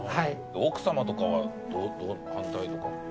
奥さまとかは反対とか？